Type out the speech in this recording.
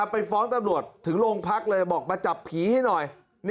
ไปฟ้องตำรวจถึงโรงพักเลยบอกมาจับผีให้หน่อย